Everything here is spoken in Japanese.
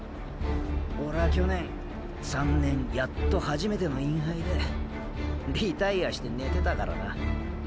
オレは去年３年やっと初めてのインハイでリタイアしてねてたからな。